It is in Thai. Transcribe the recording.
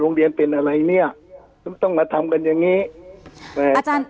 โรงเรียนเป็นอะไรเนี้ยมันต้องมาทำกันอย่างงี้แต่อาจารย์